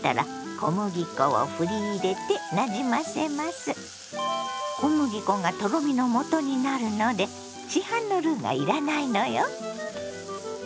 小麦粉がとろみの素になるので市販のルーが要らないのよ。